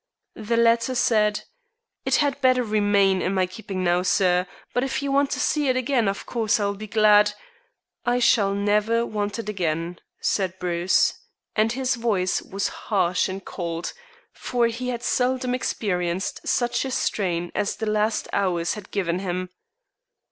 The latter said: "It had better remain in my keeping now, sir, but if you want to see it again, of course I will be glad " "I shall never want it again," said Bruce, and his voice was harsh and cold, for he had seldom experienced such a strain as the last hours had given him.